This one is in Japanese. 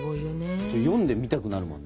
読んでみたくなるもんね。